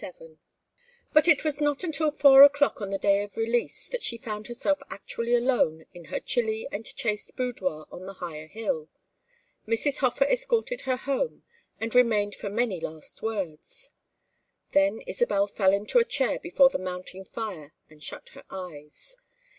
XXXVII But it was not until four o'clock on the day of release that she found herself actually alone in her chilly and chaste boudoir on the higher hill; Mrs. Hofer escorted her home and remained for many last words. Then Isabel fell into a chair before the mounting fire and shut her eyes.